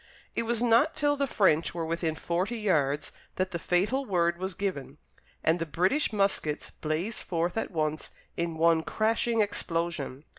It was not till the French were within forty yards that the fatal word was given, and the British muskets blazed forth at once in one crashing explosion.